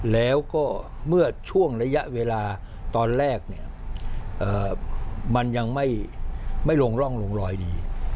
แล้วก็เมื่อช่วงระยะเวลาตอนแรกเนี่ยมันยังไม่ลงร่องลงรอยดี